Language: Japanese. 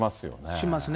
しますね。